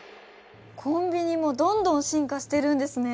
コンビニもどんどん進化してるんですね。